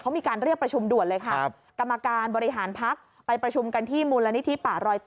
เขามีการเรียกประชุมด่วนเลยค่ะกรรมการบริหารพักไปประชุมกันที่มูลนิธิป่ารอยต่อ